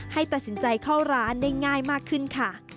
ให้ตัดสินใจเข้าร้านได้ง่ายมากขึ้นค่ะ